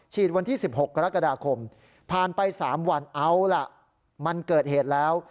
วันที่๑๖กรกฎาคมผ่านไป๓วันเอาล่ะมันเกิดเหตุแล้ว